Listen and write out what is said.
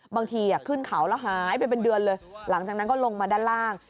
บางทีขึ้นเขาแล้วหายไปเป็นเดือนเลยหลังจากนั้นก็ลงมาด้านล่าง